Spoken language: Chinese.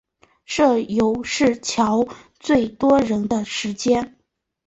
社游是乔最多人的时间